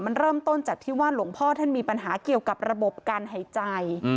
มันเริ่มต้นจากที่ว่าหลวงพ่อท่านมีปัญหาเกี่ยวกับระบบการหายใจ